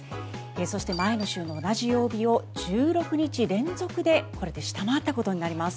そして、前の週の同じ曜日を１６日連続でこれで下回ったことになります。